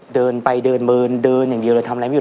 เดินไปเดินเมินเดินอย่างเดียวเลยทำอะไรไม่อยู่